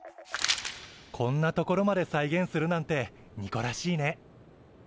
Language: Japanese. こんな所まで再現するなんてニコらしいね。